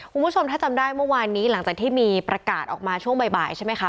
คุณผู้ชมถ้าจำได้เมื่อวานนี้หลังจากที่มีประกาศออกมาช่วงบ่ายใช่ไหมคะ